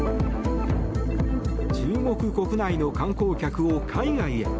中国国内の観光客を海外へ。